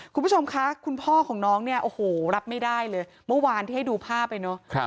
คุณผู้ชมคะคุณพ่อของน้องเนี่ยโอ้โหรับไม่ได้เลยเมื่อวานที่ให้ดูภาพไปเนอะ